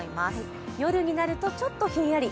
夜になると、ちょっとひんやり。